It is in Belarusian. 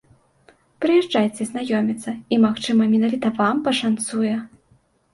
Прыязджайце знаёміцца, і, магчыма, менавіта вам пашанцуе!